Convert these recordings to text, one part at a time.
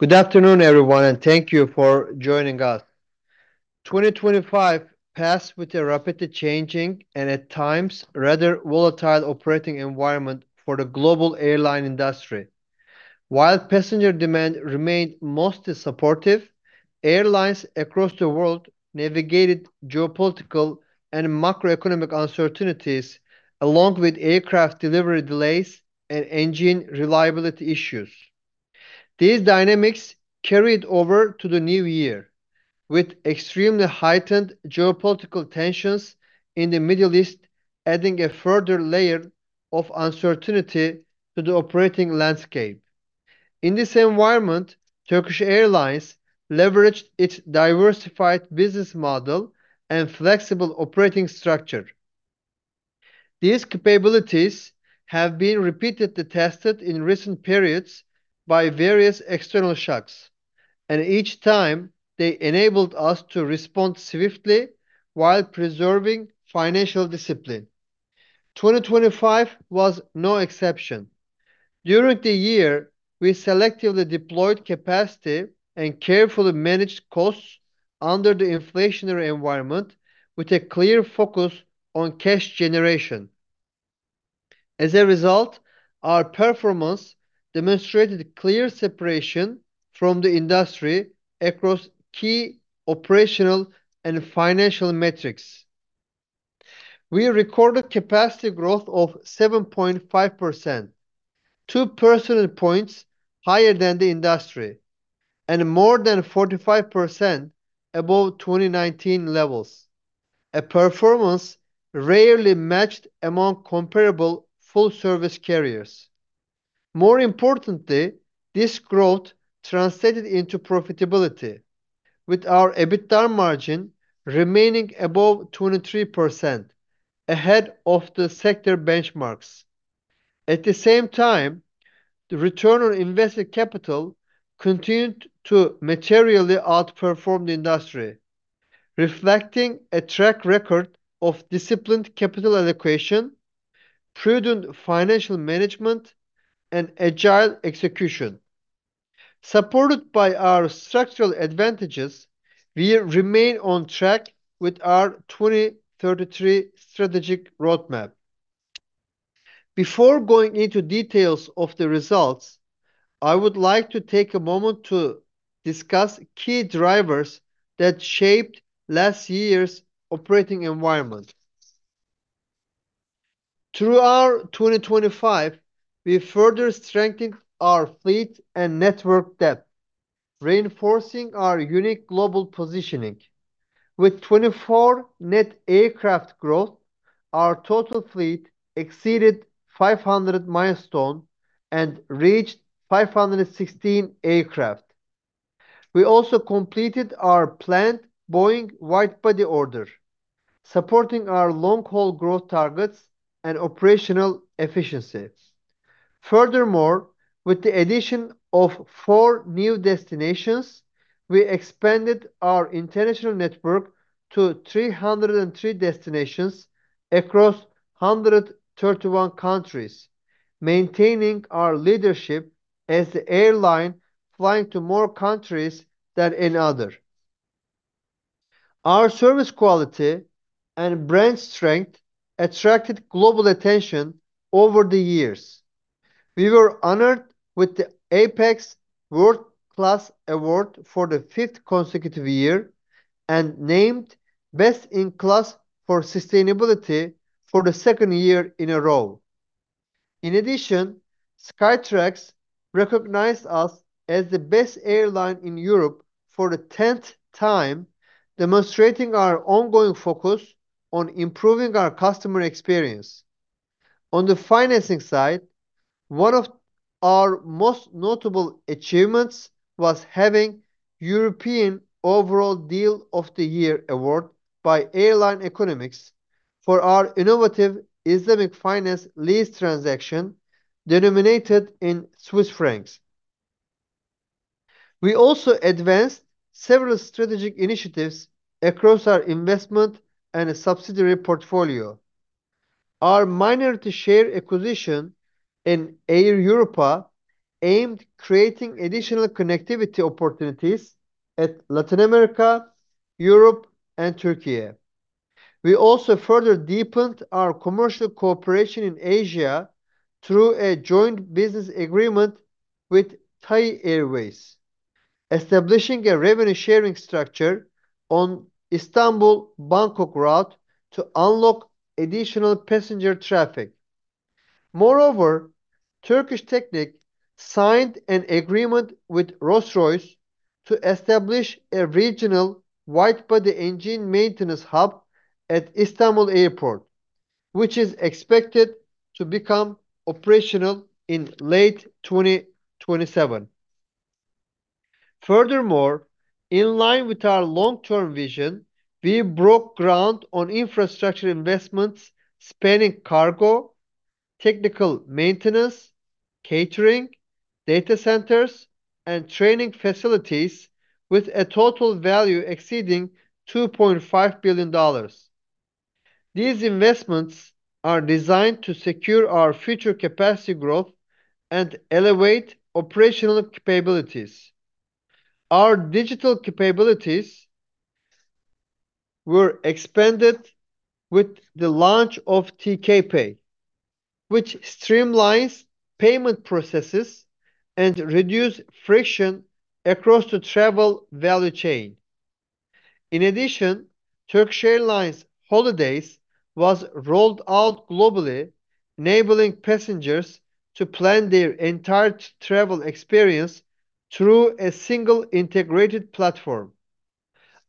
Good afternoon, everyone, and thank you for joining us. 2025 passed with a rapidly changing and at times rather volatile operating environment for the global airline industry. While passenger demand remained mostly supportive, airlines across the world navigated geopolitical and macroeconomic uncertainties along with aircraft delivery delays and engine reliability issues. These dynamics carried over to the new year, with extremely heightened geopolitical tensions in the Middle East, adding a further layer of uncertainty to the operating landscape. In this environment, Turkish Airlines leveraged its diversified business model and flexible operating structure. These capabilities have been repeatedly tested in recent periods by various external shocks, and each time they enabled us to respond swiftly while preserving financial discipline. 2025 was no exception. During the year, we selectively deployed capacity and carefully managed costs under the inflationary environment with a clear focus on cash generation. As a result, our performance demonstrated clear separation from the industry across key operational and financial metrics. We recorded capacity growth of 7.5%, two personal points higher than the industry, and more than 45% above 2019 levels, a performance rarely matched among comparable full-service carriers. More importantly, this growth translated into profitability with our EBITDA margin remaining above 23% ahead of the sector benchmarks. At the same time, the return on invested capital continued to materially outperform the industry, reflecting a track record of disciplined capital allocation, prudent financial management, and agile execution. Supported by our structural advantages, we remain on track with our 2033 strategic roadmap. Before going into details of the results, I would like to take a moment to discuss key drivers that shaped last year's operating environment. Through our 2025, we further strengthen our fleet and network depth, reinforcing our unique global positioning. With 24 net aircraft growth, our total fleet exceeded 500 milestone and reached 516 aircraft. We also completed our planned Boeing wide-body order, supporting our long-haul growth targets and operational efficiencies. With the addition of four new destinations, we expanded our international network to 303 destinations across 131 countries, maintaining our leadership as the airline flying to more countries than any other. Our service quality and brand strength attracted global attention over the years. We were honored with the APEX World Class Award for the fifth consecutive year and named Best in Class for Sustainability for the second year in a row. In addition, Skytrax recognized us as the best airline in Europe for the tenth time, demonstrating our ongoing focus on improving our customer experience. On the financing side, one of our most notable achievements was having European Overall Deal of the Year award by Airline Economics for our innovative Islamic finance lease transaction denominated in Swiss francs. We also advanced several strategic initiatives across our investment and a subsidiary portfolio. Our minority share acquisition in Air Europa aimed creating additional connectivity opportunities at Latin America, Europe, and Türkiye. We also further deepened our commercial cooperation in Asia through a joint business agreement with Thai Airways, establishing a revenue sharing structure on Istanbul-Bangkok route to unlock additional passenger traffic. Turkish Technic signed an agreement with Rolls-Royce to establish a regional wide-body engine maintenance hub at Istanbul Airport, which is expected to become operational in late 2027. Furthermore, in line with our long-term vision, we broke ground on infrastructure investments spanning cargo, technical maintenance, catering, data centers, and training facilities with a total value exceeding $2.5 billion. These investments are designed to secure our future capacity growth and elevate operational capabilities. Our digital capabilities were expanded with the launch of TKPAY, which streamlines payment processes and reduce friction across the travel value chain. Turkish Airlines Holidays was rolled out globally, enabling passengers to plan their entire travel experience through a single integrated platform.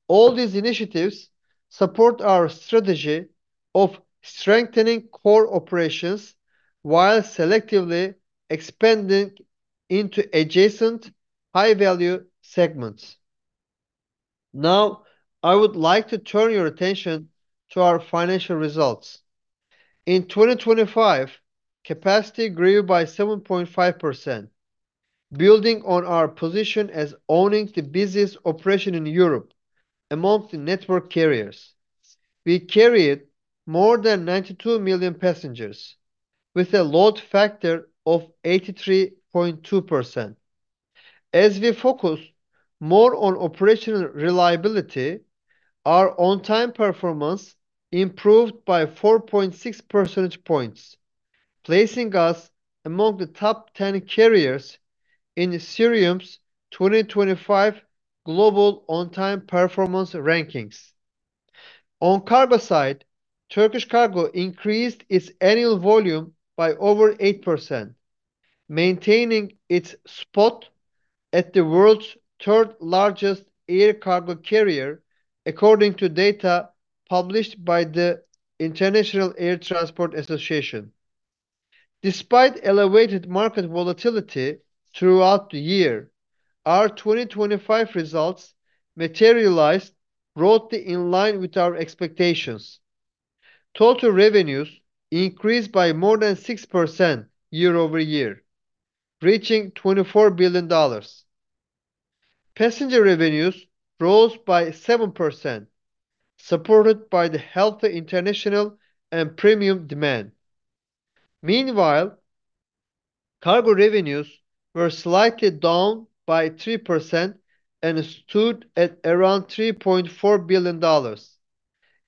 All these initiatives support our strategy of strengthening core operations while selectively expanding into adjacent high-value segments. I would like to turn your attention to our financial results. In 2025, capacity grew by 7.5%, building on our position as owning the busiest operation in Europe amongst the network carriers. We carried more than 92 million passengers with a load factor of 83.2%. As we focus more on operational reliability, our on-time performance improved by 4.6 percentage points, placing us among the top 10 carriers in Cirium's 2025 global on-time performance rankings. On cargo side, Turkish Cargo increased its annual volume by over 8%, maintaining its spot at the world's third-largest air cargo carrier, according to data published by the International Air Transport Association. Despite elevated market volatility throughout the year, our 2025 results materialized broadly in line with our expectations. Total revenues increased by more than 6% year-over-year, reaching $24 billion. Passenger revenues rose by 7%, supported by the healthy international and premium demand. Meanwhile, cargo revenues were slightly down by 3% and stood at around $3.4 billion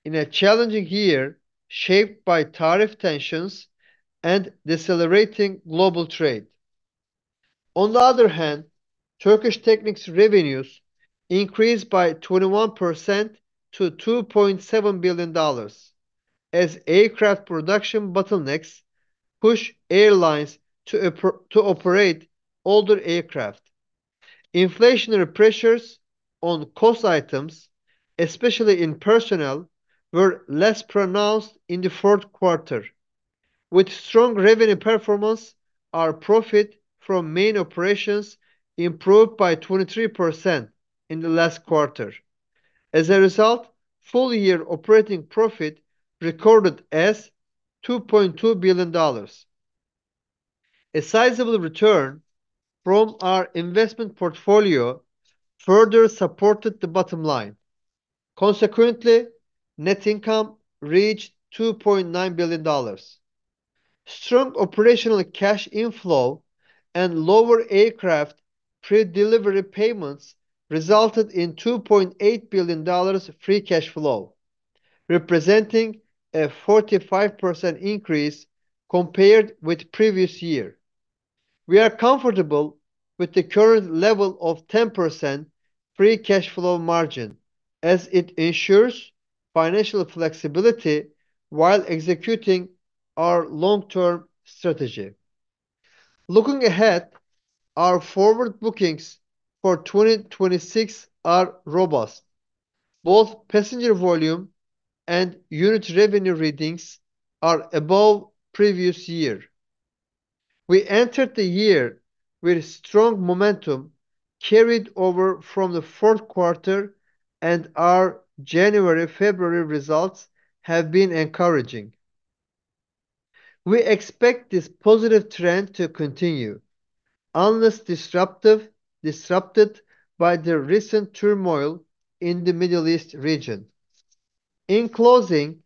in a challenging year shaped by tariff tensions and decelerating global trade. On the other hand, Turkish Technic's revenues increased by 21% to $2.7 billion as aircraft production bottlenecks pushed airlines to operate older aircraft. Inflationary pressures on cost items, especially in personnel, were less pronounced in the fourth quarter. With strong revenue performance, our profit from main operations improved by 23% in the last quarter. As a result, full-year operating profit recorded as $2.2 billion. A sizable return from our investment portfolio further supported the bottom line. Consequently, net income reached $2.9 billion. Strong operational cash inflow and lower aircraft pre-delivery payments resulted in $2.8 billion free cash flow, representing a 45% increase compared with previous year. We are comfortable with the current level of 10% free cash flow margin, as it ensures financial flexibility while executing our long-term strategy. Looking ahead, our forward bookings for 2026 are robust. Both passenger volume and unit revenue readings are above previous year. We entered the year with strong momentum carried over from the fourth quarter, and our January, February results have been encouraging. We expect this positive trend to continue, unless disrupted by the recent turmoil in the Middle East region. In closing,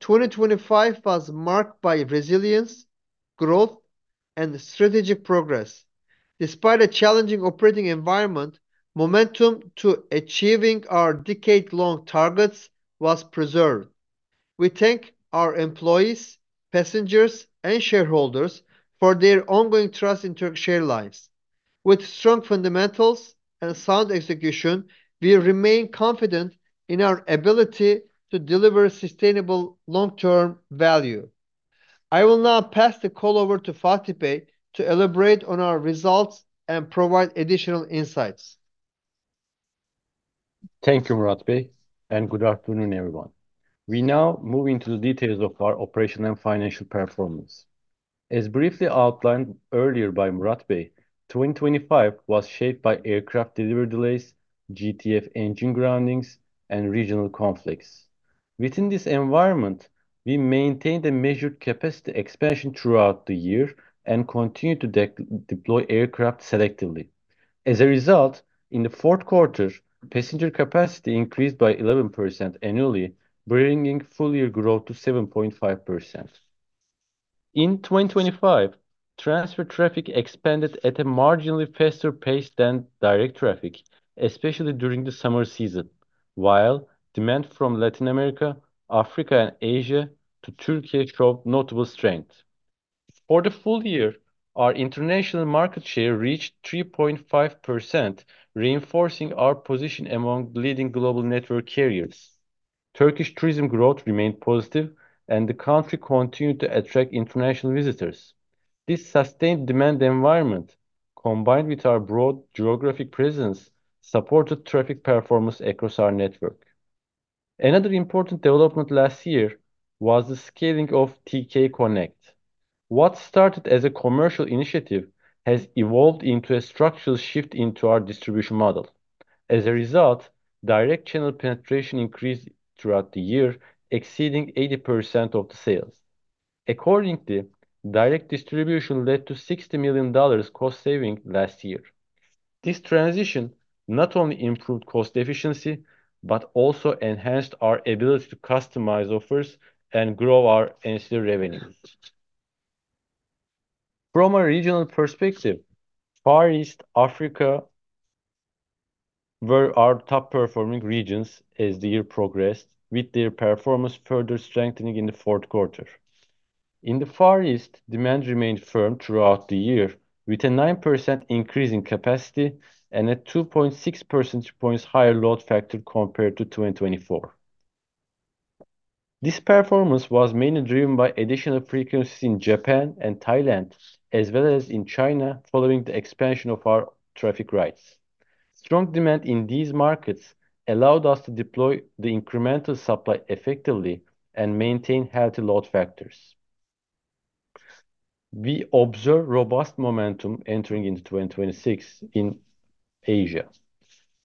2025 was marked by resilience, growth, and strategic progress. Despite a challenging operating environment, momentum to achieving our decade-long targets was preserved. We thank our employees, passengers, and shareholders for their ongoing trust in Turkish Airlines. With strong fundamentals and sound execution, we remain confident in our ability to deliver sustainable long-term value. I will now pass the call over to Fatih bey to elaborate on our results and provide additional insights. Thank you, Murat bey, and good afternoon, everyone. We now move into the details of our operational and financial performance. As briefly outlined earlier by Murat bey, 2025 was shaped by aircraft delivery delays, GTF engine groundings, and regional conflicts. Within this environment, we maintained a measured capacity expansion throughout the year and continued to de-deploy aircraft selectively. As a result, in the fourth quarter, passenger capacity increased by 11% annually, bringing full year growth to 7.5%. In 2025, transfer traffic expanded at a marginally faster pace than direct traffic, especially during the summer season, while demand from Latin America, Africa, and Asia to Türkiye showed notable strength. For the full year, our international market share reached 3.5%, reinforcing our position among leading global network carriers. Turkish tourism growth remained positive, and the country continued to attract international visitors. This sustained demand environment, combined with our broad geographic presence, supported traffic performance across our network. Another important development last year was the scaling of TK Connect. What started as a commercial initiative has evolved into a structural shift into our distribution model. Direct channel penetration increased throughout the year, exceeding 80% of the sales. Direct distribution led to $60 million cost saving last year. From a regional perspective, Far East, Africa were our top-performing regions as the year progressed, with their performance further strengthening in the fourth quarter. In the Far East, demand remained firm throughout the year, with a 9% increase in capacity and a 2.6 percentage points higher load factor compared to 2024. This performance was mainly driven by additional frequencies in Japan and Thailand, as well as in China following the expansion of our traffic rights. Strong demand in these markets allowed us to deploy the incremental supply effectively and maintain healthy load factors. We observe robust momentum entering into 2026 in Asia.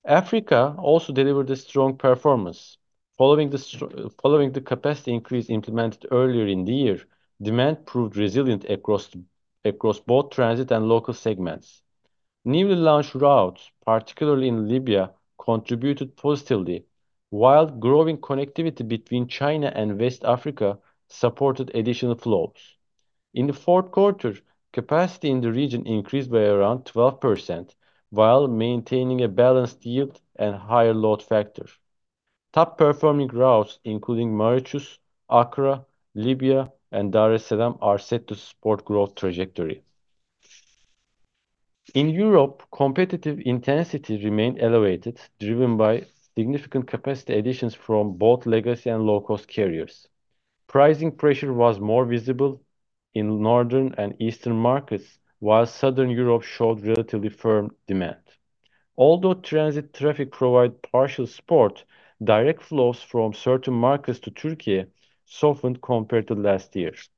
Africa also delivered a strong performance. Following the capacity increase implemented earlier in the year, demand proved resilient across both transit and local segments. Newly launched routes, particularly in Libya, contributed positively, while growing connectivity between China and West Africa supported additional flows. In the fourth quarter, capacity in the region increased by around 12% while maintaining a balanced yield and higher load factor. Top-performing routes including Mauritius, Accra, Libya, and Dar es Salaam are set to support growth trajectory. In Europe, competitive intensity remained elevated, driven by significant capacity additions from both legacy and low-cost carriers. Pricing pressure was more visible in northern and eastern markets, while Southern Europe showed relatively firm demand. Transit traffic provided partial support, direct flows from certain markets to Türkiye softened compared to last year's.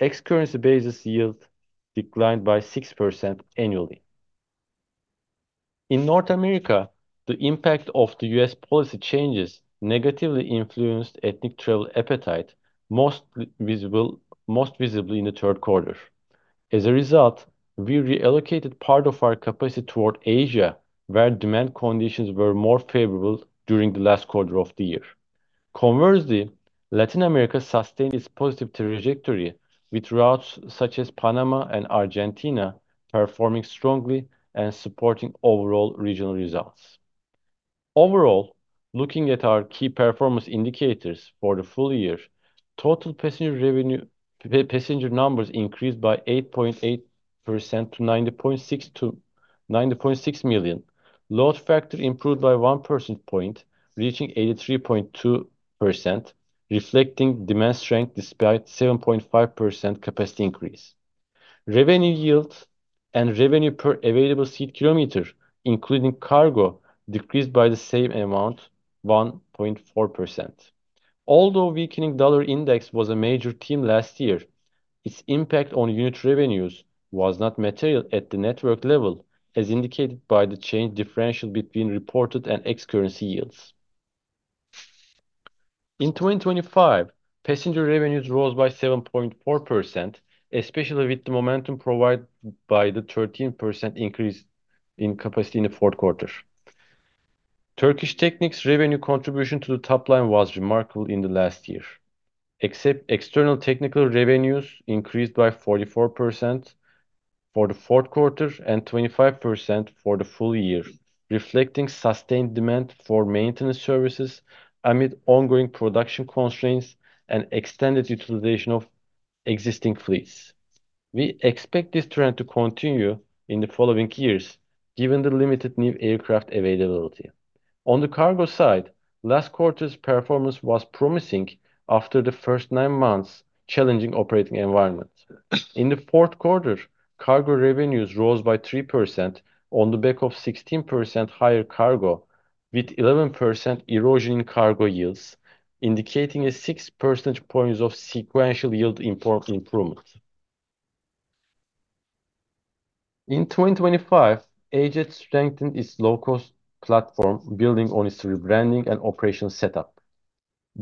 Ex-currency basis yield declined by 6% annually. In North America, the impact of the U.S. policy changes negatively influenced ethnic travel appetite, most visibly in the third quarter. We reallocated part of our capacity toward Asia, where demand conditions were more favorable during the last quarter of the year. Latin America sustained its positive trajectory with routes such as Panama and Argentina performing strongly and supporting overall regional results. Overall, looking at our key performance indicators for the full year, total passenger numbers increased by 8.8% to 90.6 million. Load factor improved by 1 percent point, reaching 83.2%, reflecting demand strength despite 7.5% capacity increase. Revenue yield and revenue per available seat kilometer, including cargo, decreased by the same amount, 1.4%. Although weakening dollar index was a major theme last year, its impact on unit revenues was not material at the network level, as indicated by the change differential between reported and ex-currency yields. In 2025, passenger revenues rose by 7.4%, especially with the momentum provided by the 13% increase in capacity in the fourth quarter. Turkish Technic's revenue contribution to the top line was remarkable in the last year. External technical revenues increased by 44% for the fourth quarter and 25% for the full year, reflecting sustained demand for maintenance services amid ongoing production constraints and extended utilization of existing fleets. We expect this trend to continue in the following years given the limited new aircraft availability. On the cargo side, last quarter's performance was promising after the first nine months' challenging operating environment. In the fourth quarter, cargo revenues rose by 3% on the back of 16% higher cargo, with 11% erosion in cargo yields, indicating a 6 percentage points of sequential yield import improvement. In 2025, AJet strengthened its low-cost platform building on its rebranding and operational setup.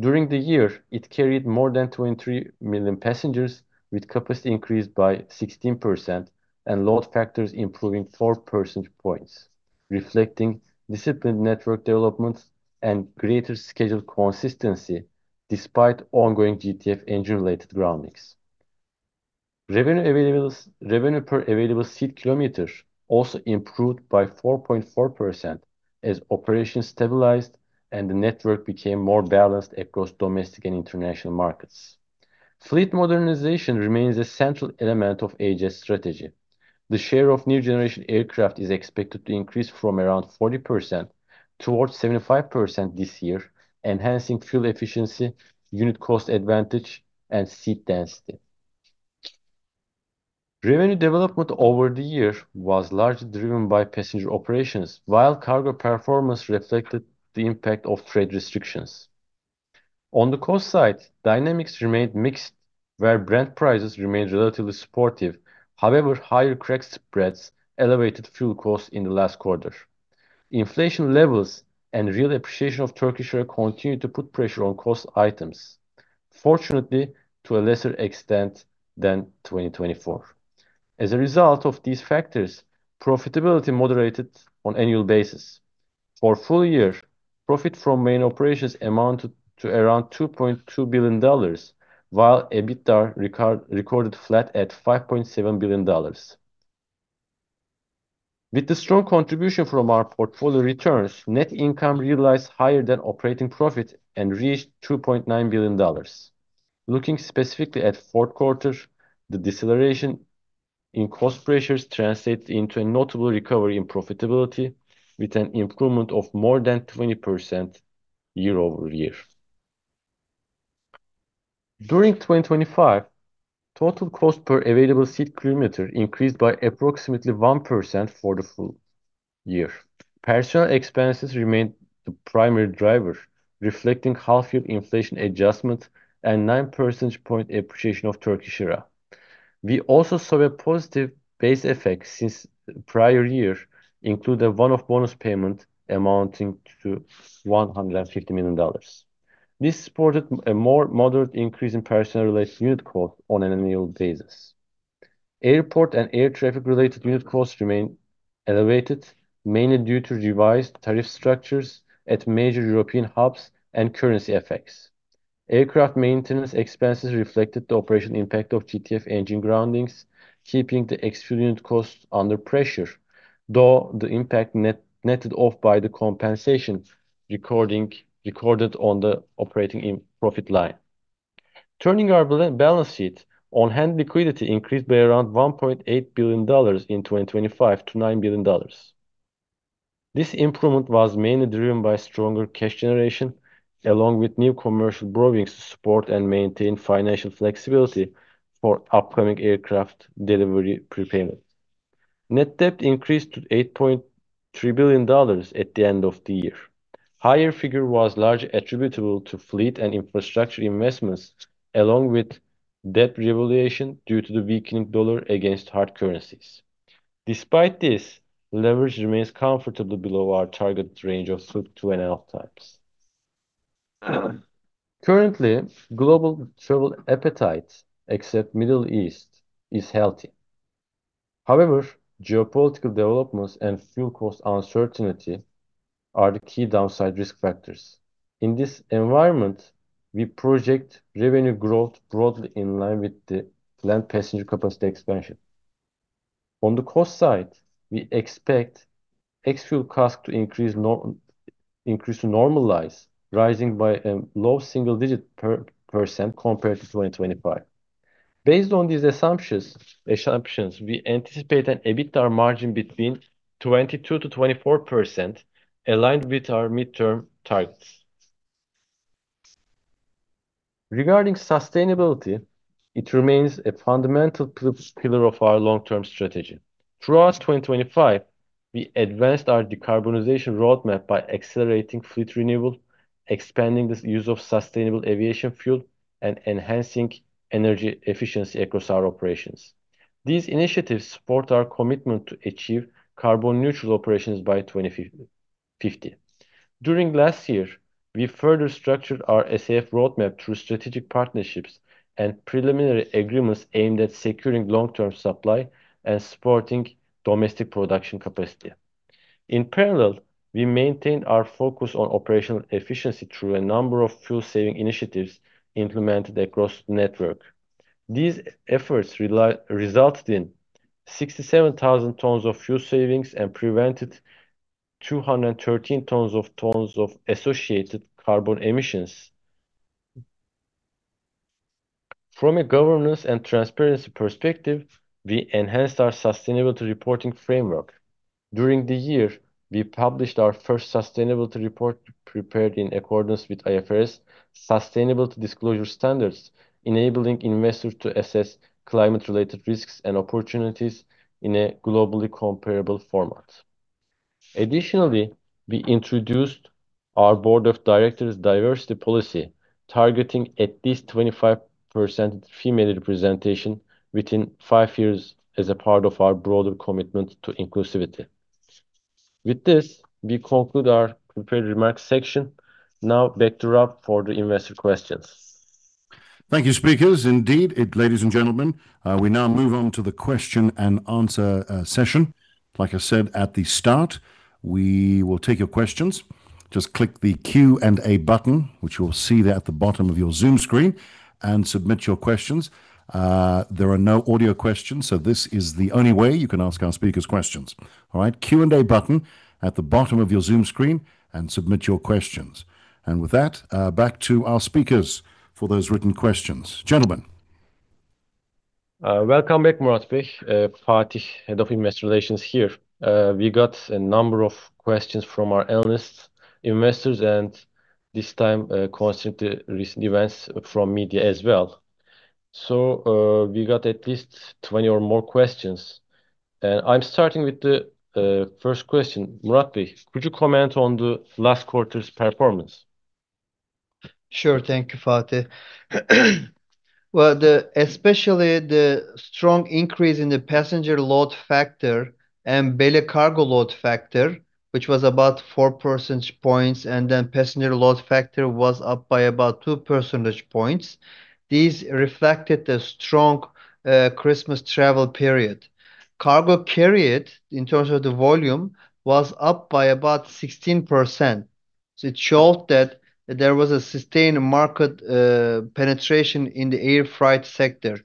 During the year, it carried more than 23 million passengers, with capacity increased by 16% and load factors improving 4 percentage points. Reflecting disciplined network developments and greater scheduled consistency despite ongoing GTF engine-related groundings. Revenue per available seat kilometer also improved by 4.4% as operations stabilized and the network became more balanced across domestic and international markets. Fleet modernization remains a central element of AJet's strategy. The share of new generation aircraft is expected to increase from around 40% towards 75% this year, enhancing fuel efficiency, unit cost advantage, and seat density. Revenue development over the year was largely driven by passenger operations, while cargo performance reflected the impact of trade restrictions. On the cost side, dynamics remained mixed, where Brent prices remained relatively supportive. Higher crack spreads elevated fuel costs in the last quarter. Inflation levels and real appreciation of Turkish lira continued to put pressure on cost items, fortunately, to a lesser extent than 2024. As a result of these factors, profitability moderated on annual basis. For full year, profit from main operations amounted to around $2.2 billion, while EBITDA recorded flat at $5.7 billion. With the strong contribution from our portfolio returns, net income realized higher than operating profit and reached $2.9 billion. Looking specifically at fourth quarter, the deceleration in cost pressures translated into a notable recovery in profitability with an improvement of more than 20% year-over-year. During 2025, total cost per available seat kilometer increased by approximately 1% for the full year. Personnel expenses remained the primary driver, reflecting half-year inflation adjustment and 9 percentage point appreciation of Turkish lira. We also saw a positive base effect since prior year include a one-off bonus payment amounting to $150 million. This supported a more moderate increase in personnel-related unit cost on an annual basis. Airport and air traffic-related unit costs remain elevated, mainly due to revised tariff structures at major European hubs and currency effects. Aircraft maintenance expenses reflected the operational impact of GTF engine groundings, keeping the ex-fuel unit costs under pressure, though the impact net-netted off by the compensation recorded on the operating profit line. Turning our balance sheet, on-hand liquidity increased by around $1.8 billion in 2025 to $9 billion. This improvement was mainly driven by stronger cash generation, along with new commercial borrowings to support and maintain financial flexibility for upcoming aircraft delivery prepayment. Net debt increased to $8.3 billion at the end of the year. Higher figure was largely attributable to fleet and infrastructure investments, along with debt revaluation due to the weakening dollar against hard currencies. Despite this, leverage remains comfortably below our target range of 2.5x. Currently, global travel appetite, except Middle East, is healthy. Geopolitical developments and fuel cost uncertainty are the key downside risk factors. In this environment, we project revenue growth broadly in line with the planned passenger capacity expansion. On the cost side, we expect ex-fuel cost to normalize, rising by a low single digit percent compared to 2025. Based on these assumptions, we anticipate an EBITDA margin between 22%-24% aligned with our midterm targets. Regarding sustainability, it remains a fundamental pillar of our long-term strategy. Throughout 2025, we advanced our decarbonization roadmap by accelerating fleet renewal, expanding the use of Sustainable Aviation Fuel, and enhancing energy efficiency across our operations. These initiatives support our commitment to achieve carbon neutral operations by 2050. During last year, we further structured our SAF roadmap through strategic partnerships and preliminary agreements aimed at securing long-term supply and supporting domestic production capacity. In parallel, we maintained our focus on operational efficiency through a number of fuel saving initiatives implemented across the network. These efforts resulted in 67,000 tons of fuel savings and prevented 213 tons of associated carbon emissions. From a governance and transparency perspective, we enhanced our sustainability reporting framework. During the year, we published our first sustainability report prepared in accordance with IFRS sustainable disclosure standards, enabling investors to assess climate-related risks and opportunities in a globally comparable format. Additionally, we introduced our board of directors diversity policy, targeting at least 25% female representation within five years as a part of our broader commitment to inclusivity. With this, we conclude our prepared remarks section. Now back to Rob for the investor questions. Thank you, speakers. Indeed, ladies and gentlemen, we now move on to the question and answer session. Like I said at the start, we will take your questions. Just click the Q&A button, which you will see there at the bottom of your Zoom screen and submit your questions. There are no audio questions, so this is the only way you can ask our speakers questions. All right? Q&A button at the bottom of your Zoom screen and submit your questions. With that, back to our speakers for those written questions. Gentlemen. Welcome back, Murat bey. Fatih, Head of Investor Relations here. We got a number of questions from our analysts, investors and this time, concerning the recent events from media as well. We got at least 20 or more questions, and I'm starting with the first question. Murat bey, could you comment on the last quarter's performance? Sure. Thank you, Fatih. The especially the strong increase in the passenger load factor and belly cargo load factor, which was about 4 percentage points, passenger load factor was up by about 2 percentage points. These reflected a strong Christmas travel period. Cargo carried in terms of the volume was up by about 16%, it showed that there was a sustained market penetration in the air freight sector.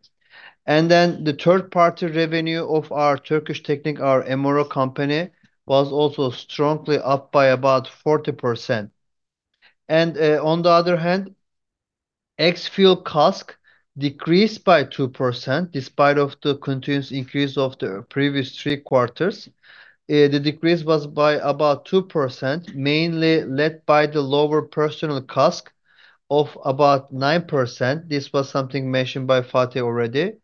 The third-party revenue of our Turkish Technic, our MRO company, was also strongly up by about 40%. On the other hand, ex-fuel CASK decreased by 2% despite of the continuous increase of the previous 3 quarters. The decrease was by about 2%, mainly led by the lower personal CASK of about 9%. This was something mentioned by Fatih already.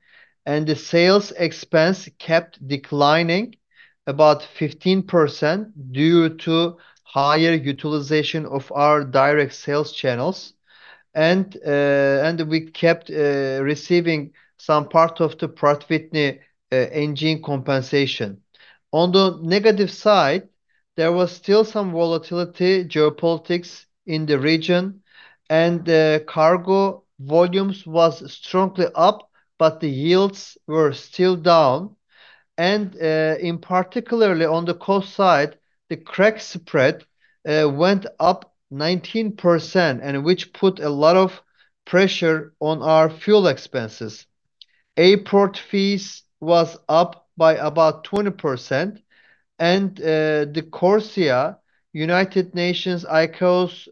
The sales expense kept declining about 15% due to higher utilization of our direct sales channels, and we kept receiving some part of the Pratt & Whitney engine compensation. On the negative side, there was still some volatility, geopolitics in the region, and the cargo volumes was strongly up, but the yields were still down. In particularly on the cost side, the crack spread went up 19% which put a lot of pressure on our fuel expenses. Airport fees was up by about 20%, the CORSIA, United Nations' ICAO's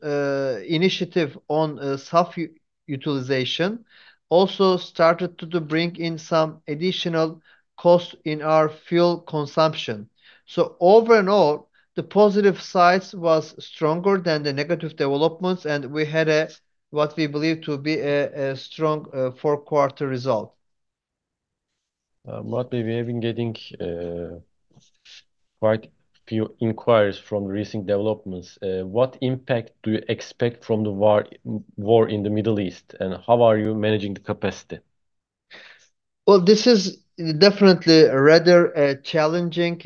initiative on self-utilization also started to bring in some additional costs in our fuel consumption. Over and all, the positive sides was stronger than the negative developments, and we had a, what we believe to be a strong fourth quarter result. Murat bey, we have been getting, quite few inquiries from the recent developments. What impact do you expect from the war in the Middle East, and how are you managing the capacity? This is definitely rather a challenging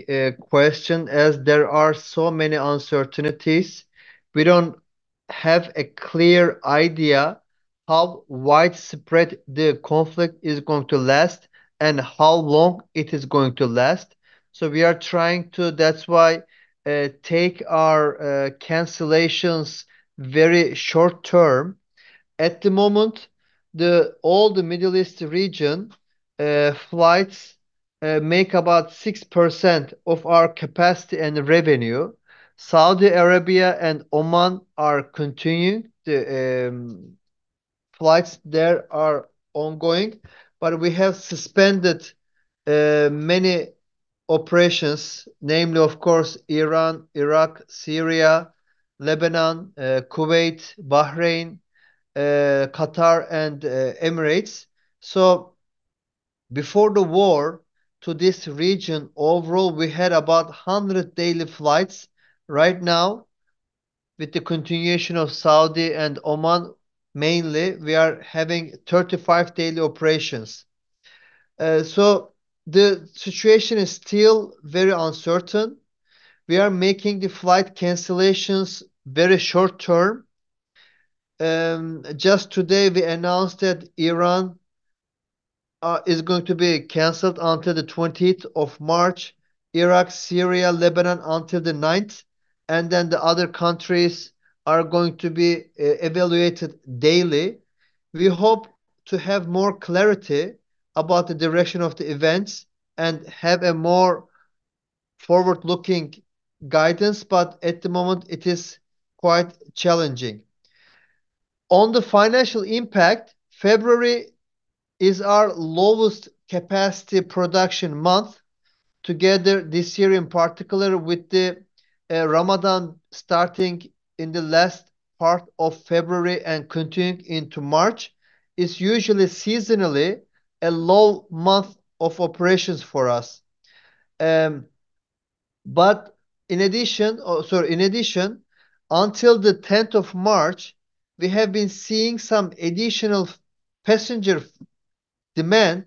question as there are so many uncertainties. We don't have a clear idea how widespread the conflict is going to last and how long it is going to last. We are trying to, that's why, take our cancellations very short term. At the moment, all the Middle East region flights make about 6% of our capacity and revenue. Saudi Arabia and Oman are continuing. Flights there are ongoing. We have suspended many operations, namely of course Iran, Iraq, Syria, Lebanon, Kuwait, Bahrain, Qatar and Emirates. Before the war to this region, overall we had about 100 daily flights. Right now, with the continuation of Saudi and Oman mainly, we are having 35 daily operations. The situation is still very uncertain. We are making the flight cancellations very short term. Just today we announced that Iran is going to be canceled until the 20th of March, Iraq, Syria, Lebanon until the 9th. Then the other countries are going to be evaluated daily. We hope to have more clarity about the direction of the events and have a more forward-looking guidance. At the moment it is quite challenging. On the financial impact, February is our lowest capacity production month. Together this year, in particular with the Ramadan starting in the last part of February and continuing into March, it's usually seasonally a low month of operations for us. In addition, or sorry, in addition, until the 10th of March, we have been seeing some additional passenger Demand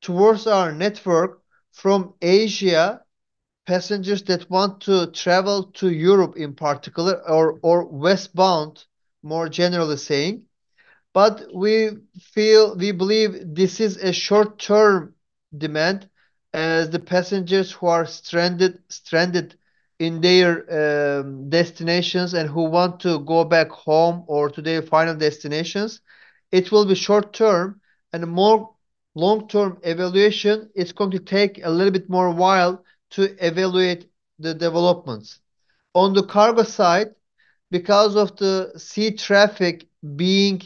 towards our network from Asia, passengers that want to travel to Europe in particular or westbound more generally saying. We feel, we believe this is a short-term demand as the passengers who are stranded in their destinations and who want to go back home or to their final destinations, it will be short-term. More long-term evaluation, it's going to take a little bit more while to evaluate the developments. On the cargo side, because of the sea traffic being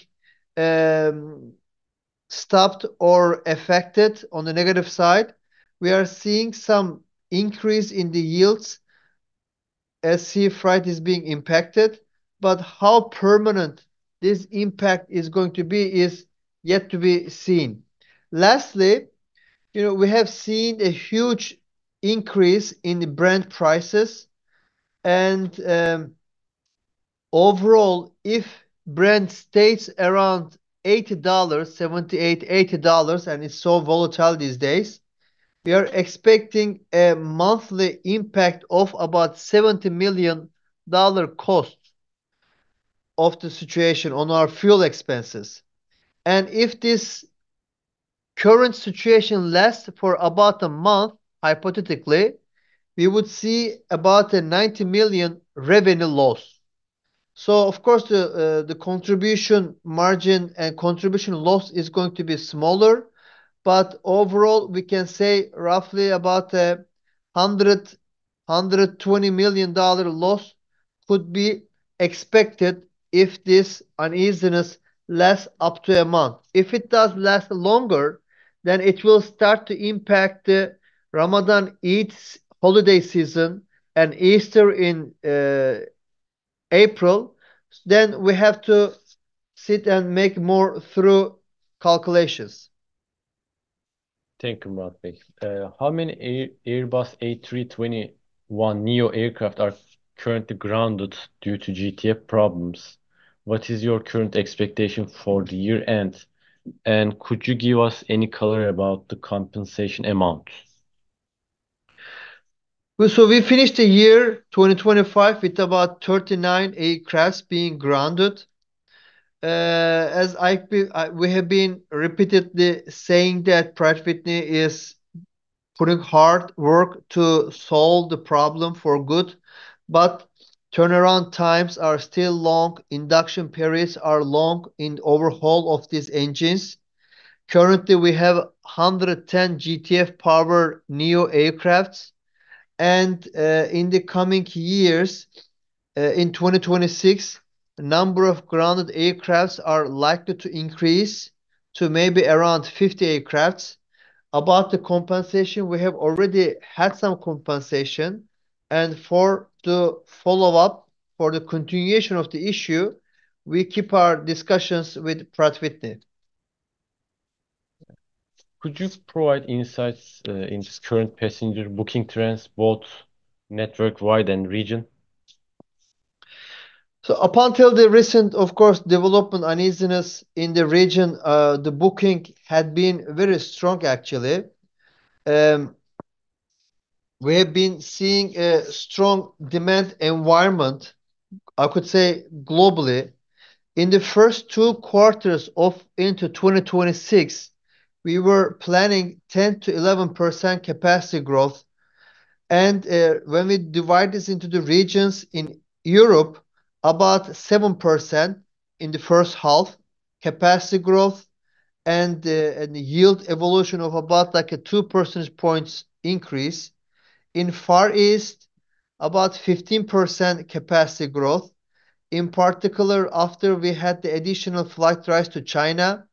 stopped or affected on the negative side, we are seeing some increase in the yields as sea freight is being impacted. How permanent this impact is going to be is yet to be seen. Lastly, you know, we have seen a huge increase in the Brent prices. Overall, if Brent stays around $80, $78-$80, and it's so volatile these days, we are expecting a monthly impact of about $70 million cost of the situation on our fuel expenses. If this current situation lasts for about a month, hypothetically, we would see about a $90 million revenue loss. Of course, the contribution margin and contribution loss is going to be smaller, but overall we can say roughly about a $100 million-$120 million loss could be expected if this uneasiness lasts up to a month. If it does last longer, then it will start to impact the Ramadan Eid holiday season and Easter in April, then we have to sit and make more thorough calculations. Thank you, Murat bey. How many Airbus A321neo aircraft are currently grounded due to GTF problems? What is your current expectation for the year-end? Could you give us any color about the compensation amount? We finished the year 2025 with about 39 aircrafts being grounded. As we have been repeatedly saying that Pratt & Whitney is putting hard work to solve the problem for good, but turnaround times are still long, induction periods are long in overhaul of these engines. Currently, we have 110 GTF-powered neo aircrafts. In the coming years, in 2026, the number of grounded aircrafts are likely to increase to maybe around 50 aircrafts. About the compensation, we have already had some compensation. For the follow-up, for the continuation of the issue, we keep our discussions with Pratt & Whitney. Could you provide insights into current passenger booking trends, both network-wide and region? Up until the recent, of course, development uneasiness in the region, the booking had been very strong actually. We have been seeing a strong demand environment, I could say, globally. In the first two quarters of into 2026, we were planning 10%-11% capacity growth. When we divide this into the regions, in Europe, about 7% in the first half capacity growth and yield evolution of about like 2 percentage points increase. In Far East, about 15% capacity growth. In particular, after we had the additional flight routes to China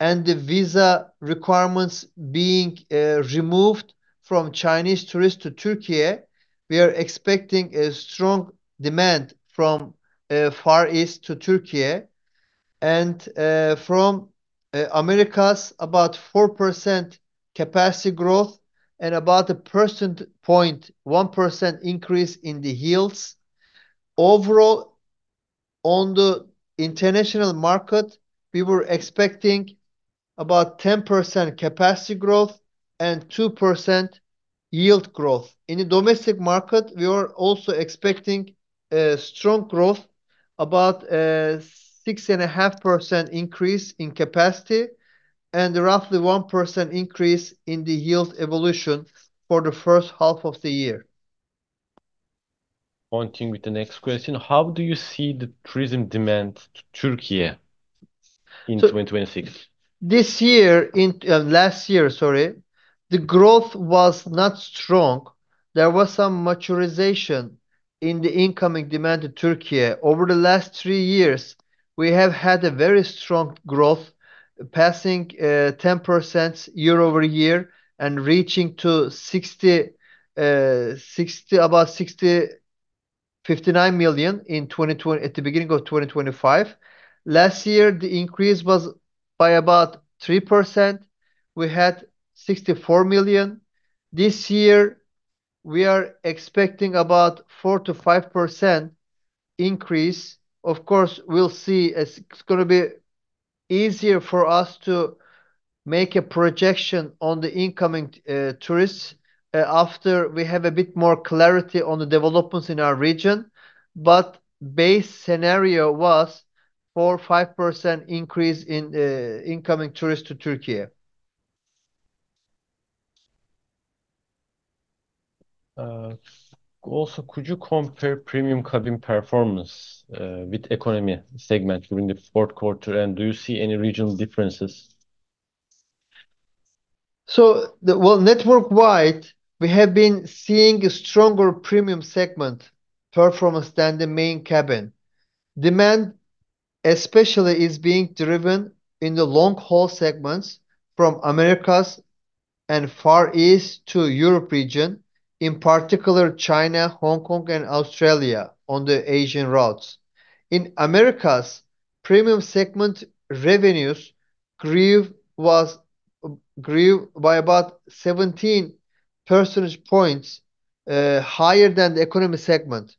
and the visa requirements being removed from Chinese tourists to Türkiye, we are expecting a strong demand from Far East to Türkiye. From Americas, about 4% capacity growth and about 1%, 0.1% increase in the yields. Overall, on the international market, we were expecting about 10% capacity growth and 2% yield growth. In the domestic market, we were also expecting a strong growth, about 6.5% increase in capacity and roughly 1% increase in the yield evolution for the first half of the year. Continuing with the next question. How do you see the tourism demand to Türkiye in 2026? Last year, sorry, the growth was not strong. There was some maturization in the incoming demand to Türkiye. Over the last three years, we have had a very strong growth, passing 10% year-over-year and reaching to about 60 million, 59 million at the beginning of 2025. Last year, the increase was by about 3%. We had 64 million. We are expecting about 4%-5% increase. Of course, we'll see. It's going to be easier for us to make a projection on the incoming tourists after we have a bit more clarity on the developments in our region. Base scenario was 4%-5% increase in incoming tourists to Türkiye. Also, could you compare premium cabin performance with economy segment during the fourth quarter? Do you see any regional differences? Well, network-wide, we have been seeing a stronger premium segment performance than the main cabin. Demand, especially, is being driven in the long-haul segments from Americas and Far East to Europe region, in particular China, Hong Kong, and Australia on the Asian routes. In Americas, premium segment revenues grew by about 17 percentage points higher than the economy segment.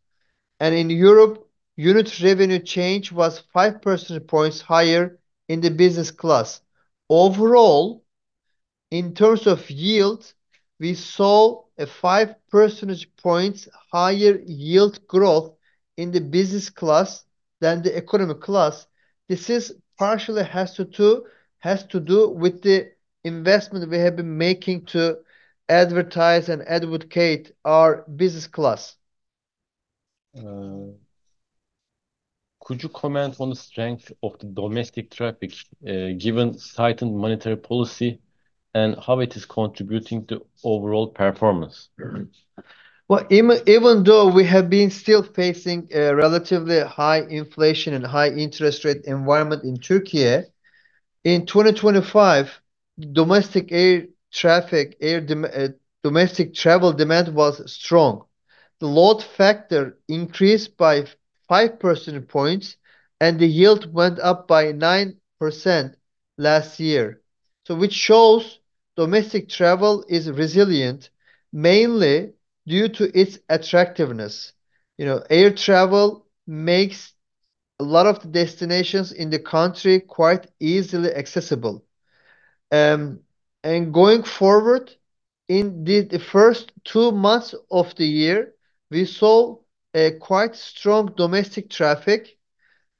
In Europe, unit revenue change was 5 percentage points higher in the business class. Overall, in terms of yield, we saw a 5 percentage points higher yield growth in the business class than the economy class. This is partially has to do with the investment we have been making to advertise and advocate our business class. Could you comment on the strength of the domestic traffic, given tightened monetary policy, and how it is contributing to overall performance? Even though we have been still facing a relatively high inflation and high interest rate environment in Türkiye, in 2025, domestic air traffic, domestic travel demand was strong. The load factor increased by 5 percentage points, and the yield went up by 9% last year. Which shows domestic travel is resilient, mainly due to its attractiveness. You know, air travel makes a lot of the destinations in the country quite easily accessible. Going forward, in the first two months of the year, we saw a quite strong domestic traffic,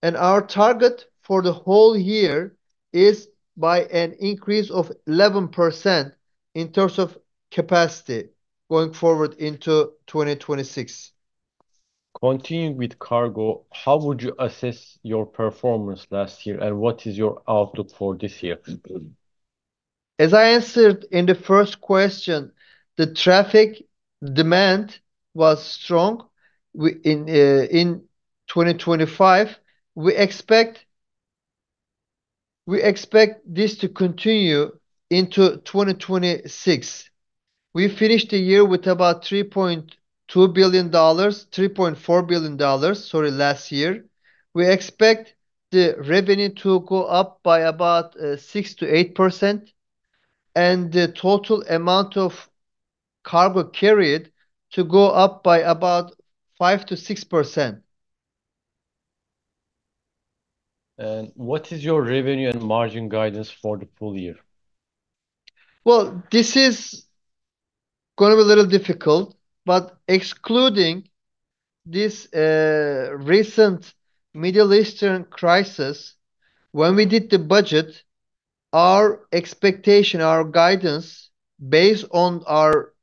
and our target for the whole year is by an increase of 11% in terms of capacity going forward into 2026. Continuing with cargo, how would you assess your performance last year, and what is your outlook for this year? As I answered in the first question, the traffic demand was strong in 2025. We expect this to continue into 2026. We finished the year with about $3.2 billion, $3.4 billion, sorry, last year. We expect the revenue to go up by about 6%-8% and the total amount of cargo carried to go up by about 5%-6%. What is your revenue and margin guidance for the full year? This is going to be a little difficult. Excluding this recent Middle Eastern crisis, when we did the budget, our expectation, our guidance, based on our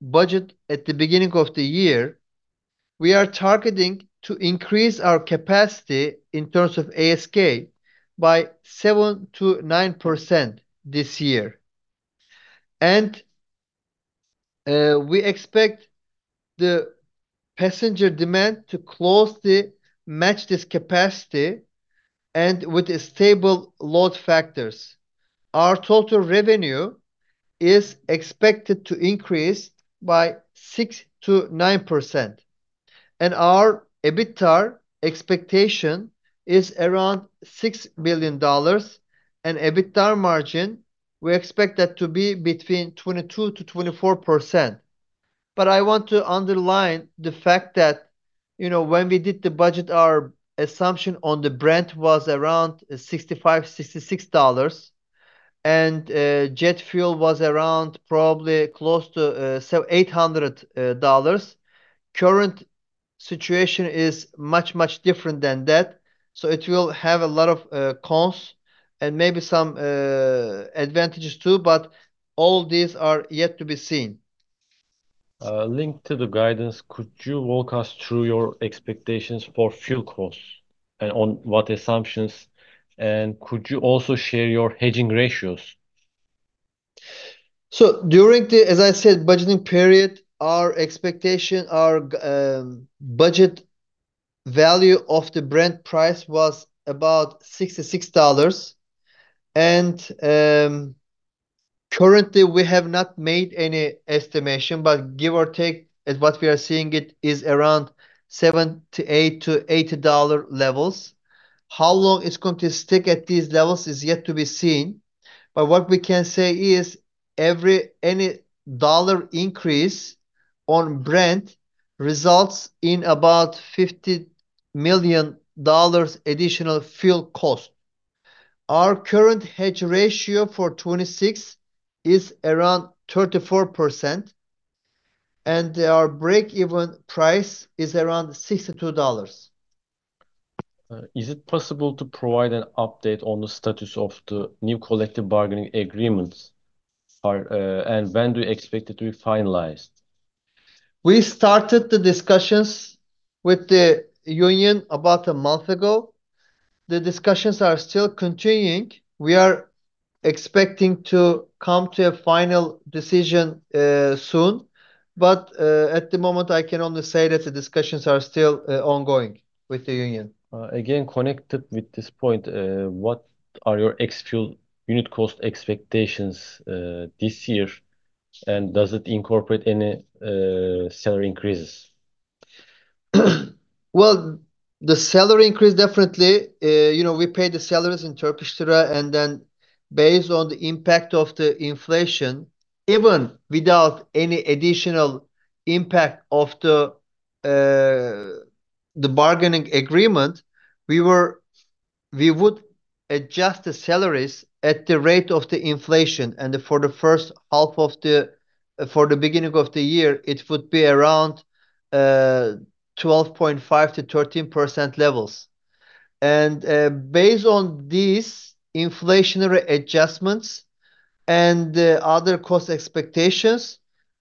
budget at the beginning of the year, we are targeting to increase our capacity in terms of ASK by 7%-9% this year. We expect the passenger demand to match this capacity and with stable load factors. Our total revenue is expected to increase by 6%-9%. Our EBITDA expectation is around $6 billion. EBITDA margin, we expect that to be between 22%-24%. I want to underline the fact that, you know, when we did the budget, our assumption on the Brent was around $65-$66, and jet fuel was around probably close to $800. Current situation is much, much different than that, so it will have a lot of cons and maybe some advantages too, but all these are yet to be seen. linked to the guidance, could you walk us through your expectations for fuel costs, and on what assumptions? Could you also share your hedging ratios? During the, as I said, budgeting period, our expectation, our budget value of the Brent price was about $66. Currently, we have not made any estimation, but give or take at what we are seeing it is around $7 to $8 to $80 levels. How long it's going to stick at these levels is yet to be seen. What we can say is every any dollar increase on Brent results in about $50 million additional fuel cost. Our current hedge ratio for 2026 is around 34% and our break-even price is around $62. Is it possible to provide an update on the status of the new collective bargaining agreements and when do you expect it to be finalized? We started the discussions with the union about a month ago. The discussions are still continuing. We are expecting to come to a final decision, soon. At the moment, I can only say that the discussions are still, ongoing with the union. Again, connected with this point, what are your ex-fuel unit cost expectations, this year, and does it incorporate any salary increases? Well, the salary increase definitely, you know, we pay the salaries in Turkish lira, based on the impact of the inflation, even without any additional impact of the bargaining agreement, we would adjust the salaries at the rate of the inflation. For the beginning of the year, it would be around 12.5%-13% levels. Based on these inflationary adjustments and the other cost expectations,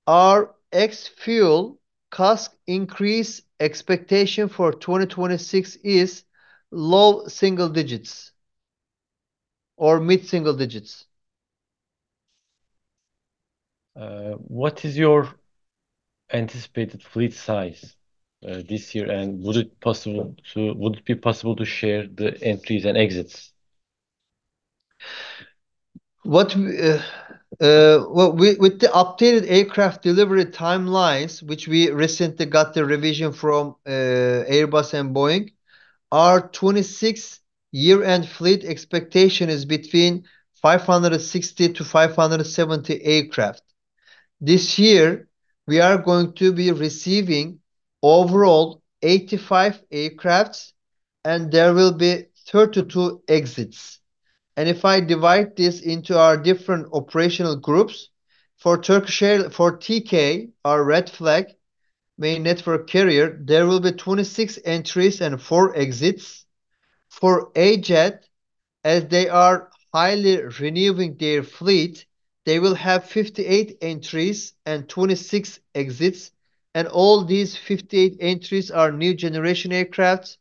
our ex-fuel CASK increase expectation for 2026 is low single digits or mid-single digits. What is your anticipated fleet size this year, and would it be possible to share the entries and exits? What we, well, with the updated aircraft delivery timelines, which we recently got the revision from Airbus and Boeing, our 2026 year-end fleet expectation is between 560-570 aircraft. This year, we are going to be receiving overall 85 aircrafts, and there will be 32 exits. If I divide this into our different operational groups, for TK, our flag carrier main network carrier, there will be 26 entries and four exits. For AJet, as they are highly renewing their fleet, they will have 58 entries and 26 exits. All these 58 entries are new generation aircrafts.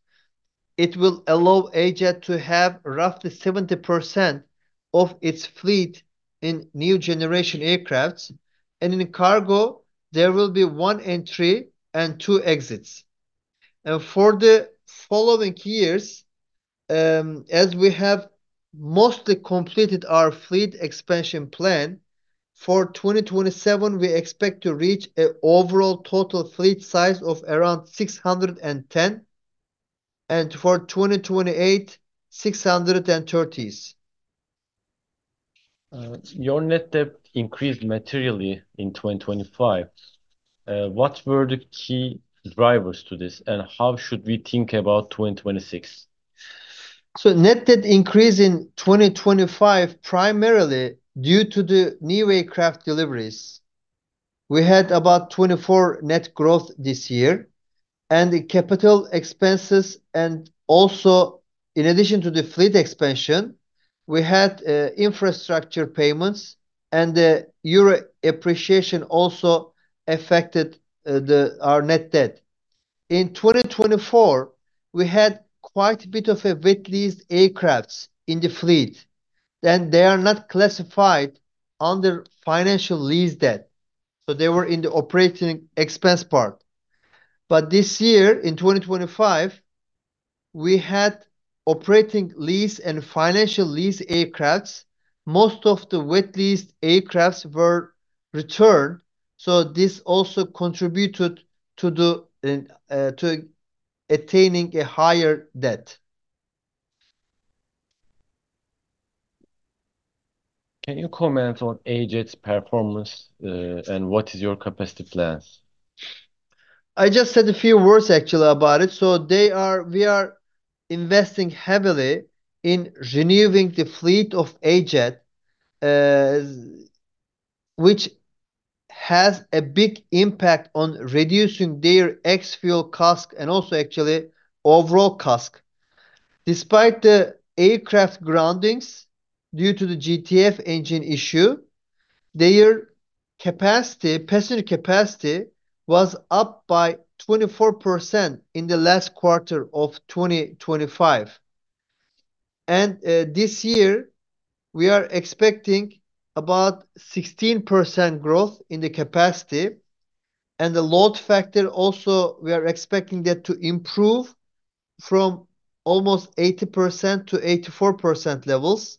It will allow AJET to have roughly 70% of its fleet in new generation aircrafts. In cargo, there will be one entry and two exits. for the following years, as we have mostly completed our fleet expansion plan, for 2027, we expect to reach a overall total fleet size of around 610 and for 2028, 630s. Your net debt increased materially in 2025. What were the key drivers to this, and how should we think about 2026? Net debt increase in 2025, primarily due to the new aircraft deliveries. We had about 24 net growth this year. The capital expenses, in addition to the fleet expansion, we had infrastructure payments, and the Euro appreciation also affected our net debt. In 2024, we had quite a bit of wet-leased aircraft in the fleet, and they are not classified under financial lease debt, so they were in the operating expense part. This year, in 2025, we had operating lease and financial lease aircraft. Most of the wet-leased aircraft were returned, so this also contributed to attaining a higher debt. Can you comment on AJet's performance, and what is your capacity plans? I just said a few words actually about it. We are investing heavily in renewing the fleet of AJet, which has a big impact on reducing their ex-fuel CASK and also actually overall CASK. Despite the aircraft groundings due to the GTF engine issue, their capacity, passenger capacity was up by 24% in the last quarter of 2025. This year, we are expecting about 16% growth in the capacity. The load factor also, we are expecting that to improve from almost 80% to 84% levels.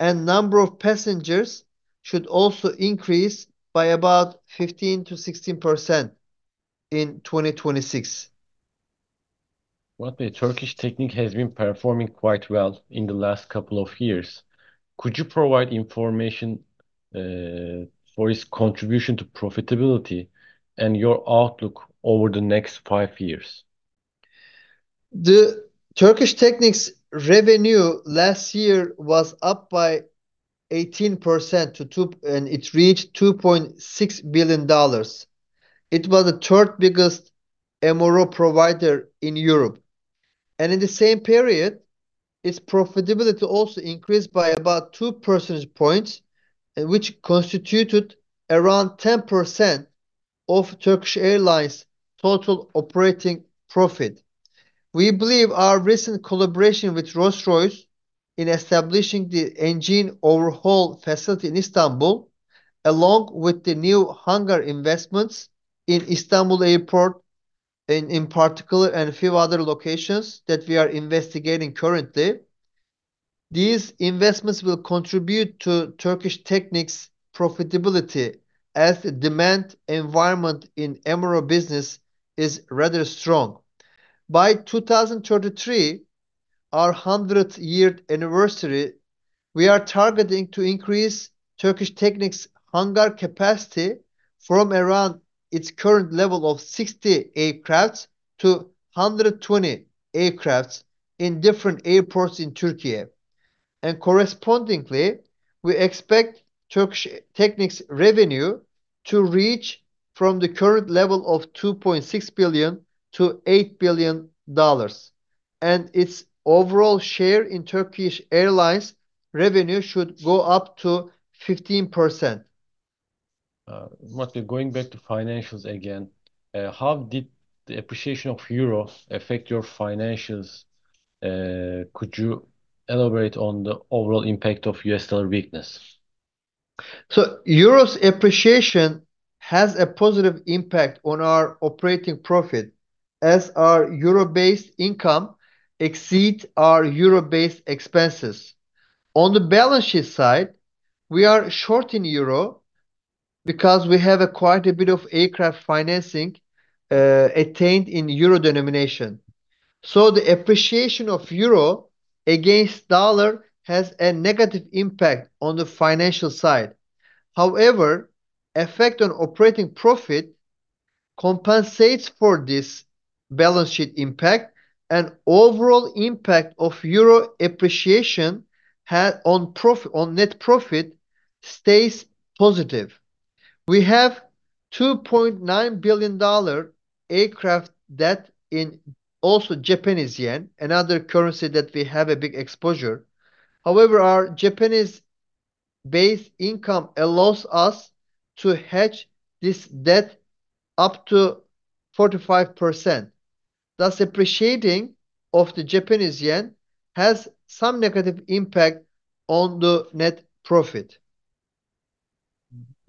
Number of passengers should also increase by about 15%-16% in 2026. The Turkish Technic has been performing quite well in the last couple of years. Could you provide information for its contribution to profitability and your outlook over the next five years? The Turkish Technic's revenue last year was up by 18%. It reached $2.6 billion. It was the third biggest MRO provider in Europe. In the same period, its profitability also increased by about 2 percentage points, which constituted around 10% of Turkish Airlines' total operating profit. We believe our recent collaboration with Rolls-Royce in establishing the engine overhaul facility in Istanbul, along with the new hangar investments in Istanbul Airport in particular, and a few other locations that we are investigating currently. These investments will contribute to Turkish Technic's profitability as the demand environment in MRO business is rather strong. By 2023, our 100-year anniversary, we are targeting to increase Turkish Technic's hangar capacity from around its current level of 60 aircraft to 120 aircraft in different airports in Türkiye. Correspondingly, we expect Turkish Technic's revenue to reach from the current level of $2.6 billion-$8 billion. Its overall share in Turkish Airlines revenue should go up to 15%. Going back to financials again, how did the appreciation of Euro affect your financials? Could you elaborate on the overall impact of US dollar weakness? Euro's appreciation has a positive impact on our operating profit as our euro-based income exceeds our euro-based expenses. On the balance sheet side, we are short in euro because we have quite a bit of aircraft financing attained in euro denomination. The appreciation of euro against USD has a negative impact on the financial side. However, effect on operating profit compensates for this balance sheet impact, and overall impact of Euro appreciation had on net profit stays positive. We have $2.9 billion aircraft debt in also Japanese yen, another currency that we have a big exposure. However, our Japanese base income allows us to hedge this debt up to 45%. Thus, appreciating of the Japanese yen has some negative impact on the net profit.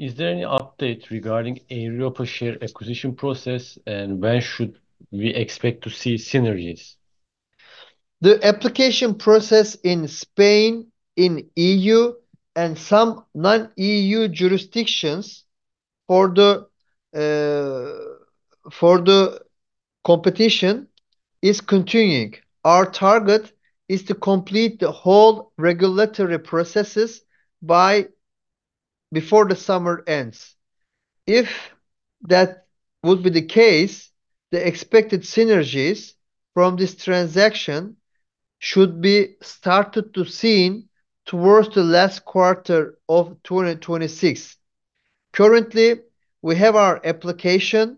Is there any update regarding Air Europa share acquisition process, and when should we expect to see synergies? The application process in Spain, in EU, and some non-EU jurisdictions for the for the competition is continuing. Our target is to complete the whole regulatory processes by before the summer ends. If that would be the case, the expected synergies from this transaction should be started to seen towards the last quarter of 2026. Currently, we have our application.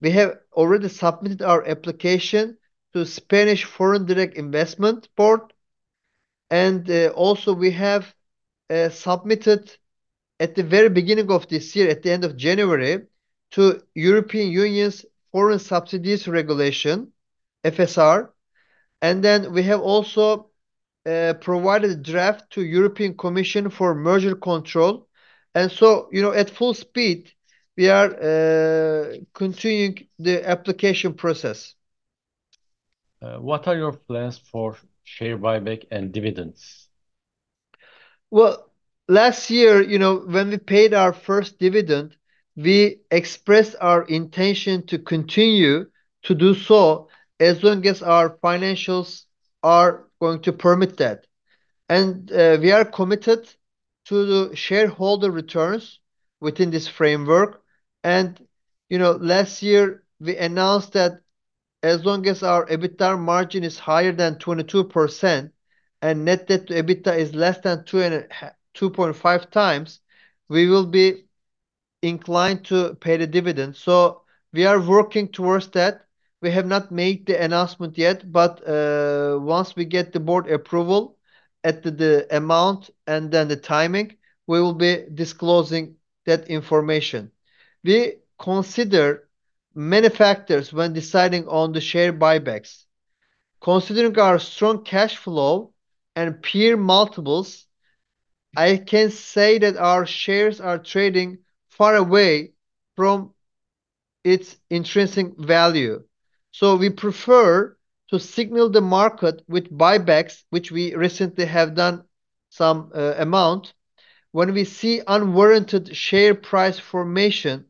We have already submitted our application to Spanish Foreign Direct Investment Board, and also we have submitted at the very beginning of this year, at the end of January, to European Union's Foreign Subsidies Regulation, FSR. We have also provided draft to European Commission for Merger Control. You know, at full speed, we are continuing the application process. What are your plans for share buyback and dividends? Well, last year, you know, when we paid our first dividend, we expressed our intention to continue to do so as long as our financials are going to permit that. We are committed to shareholder returns within this framework. You know, last year we announced that as long as our EBITDA margin is higher than 22% and net debt to EBITDA is less than 2.5x, we will be inclined to pay the dividend. We are working towards that. We have not made the announcement yet, but once we get the board approval at the amount and then the timing, we will be disclosing that information. We consider many factors when deciding on the share buybacks. Considering our strong cash flow and peer multiples, I can say that our shares are trading far away from its intrinsic value. We prefer to signal the market with buybacks, which we recently have done some amount. When we see unwarranted share price formation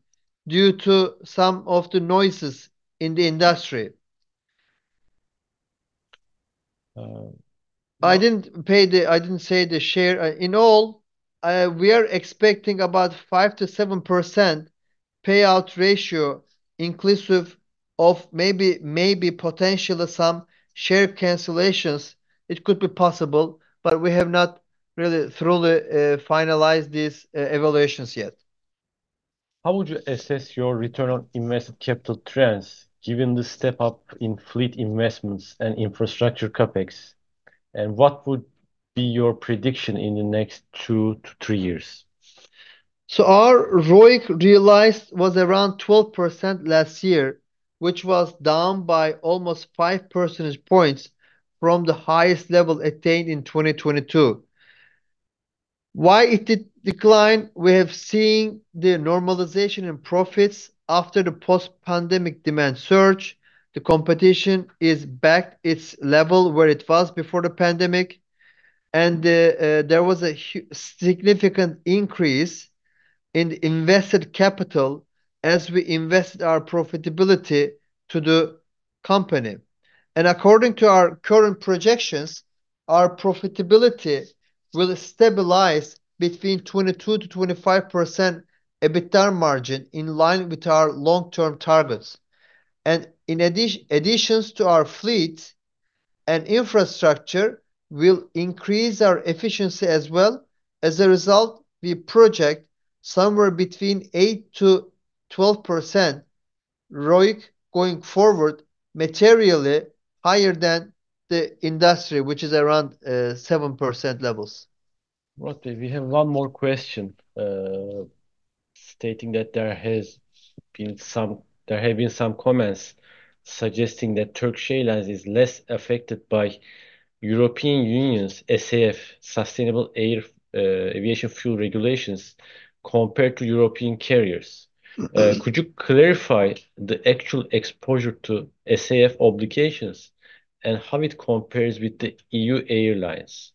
due to some of the noises in the industry. I didn't say the share. In all, we are expecting about 5%-7% payout ratio inclusive of maybe potentially some share cancellations. It could be possible. We have not really thoroughly finalized these evaluations yet. How would you assess your return on invested capital trends given the step up in fleet investments and infrastructure CapEx? What would be your prediction in the next two to three years? Our ROIC realized was around 12% last year, which was down by almost five percentage points from the highest level attained in 2022. Why it did decline? We have seen the normalization in profits after the post-pandemic demand surge. The competition is back its level where it was before the pandemic. There was a significant increase in invested capital as we invested our profitability to the company. According to our current projections, our profitability will stabilize between 22%-25% EBITDA margin in line with our long-term targets. In additions to our fleet and infrastructure will increase our efficiency as well. As a result, we project somewhere between 8%-12% ROIC going forward materially higher than the industry, which is around 7% levels. Murat, we have one more question, stating that there have been some comments suggesting that Turkish Airlines is less affected by European Union's SAF, sustainable aviation fuel regulations compared to European carriers. Could you clarify the actual exposure to SAF obligations and how it compares with the EU airlines?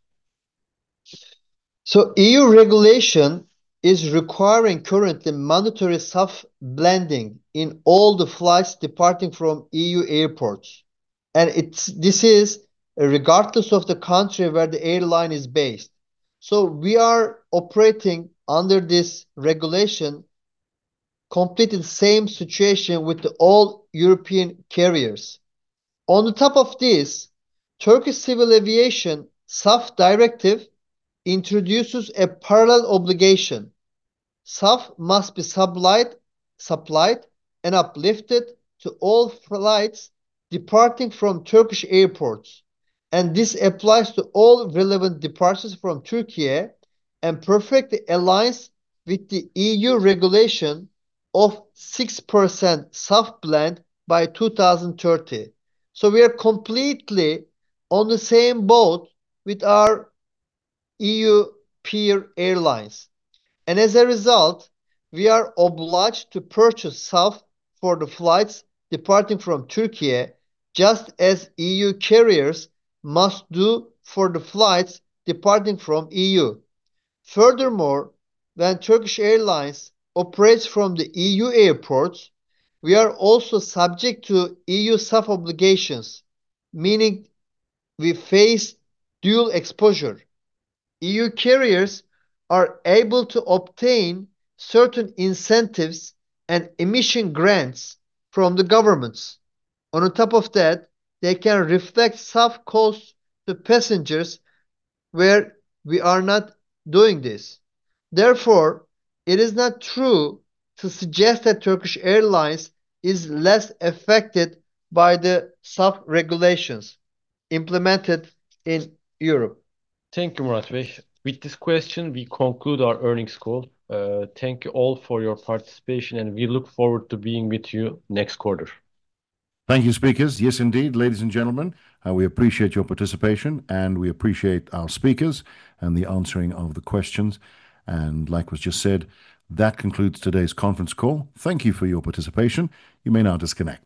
EU regulation is requiring currently mandatory SAF blending in all the flights departing from EU airports. This is regardless of the country where the airline is based. We are operating under this regulation completely the same situation with the all European carriers. On the top of this, Turkish Civil Aviation SAF Directive introduces a parallel obligation. SAF must be supplied and uplifted to all flights departing from Turkish airports, and this applies to all relevant departures from Türkiye and perfectly aligns with the EU regulation of 6% SAF blend by 2030. We are completely on the same boat with our EU peer airlines. As a result, we are obliged to purchase SAF for the flights departing from Türkiye, just as EU carriers must do for the flights departing from EU. Furthermore, when Turkish Airlines operates from the EU airports, we are also subject to EU SAF obligations, meaning we face dual exposure. EU carriers are able to obtain certain incentives and emission grants from the governments. On top of that, they can reflect SAF costs to passengers, where we are not doing this. Therefore, it is not true to suggest that Turkish Airlines is less affected by the SAF regulations implemented in Europe. Thank you, Murat. With this question, we conclude our earnings call. Thank you all for your participation. We look forward to being with you next quarter. Thank you, speakers. Yes, indeed, ladies and gentlemen, we appreciate your participation, and we appreciate our speakers and the answering of the questions. Like was just said, that concludes today's conference call. Thank you for your participation. You may now disconnect.